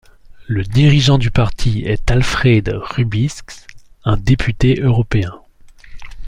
Le dirigeant du parti est Alfrēds Rubiks, un député européen.